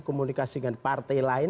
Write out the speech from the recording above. komunikasi dengan partai lain